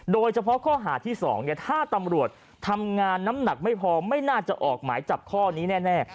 โดยเฉพาะข้อหาที่๒ถ้าตำรวจทำงานน้ำหนักไม่พอไม่น่าจะออกหมายจับข้อนี้แน่